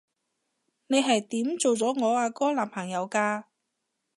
你係點做咗我阿哥男朋友㗎？